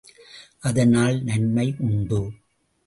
அதனால் நன்மை உண்டு.